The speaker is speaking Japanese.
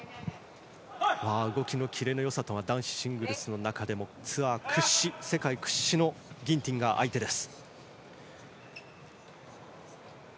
動きのキレの良さは男子シングルスの中でもツアー屈指、世界屈指のギンティンが相手です。